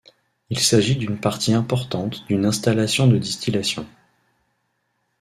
Il s'agit d'une partie importante d'une installation de distillation.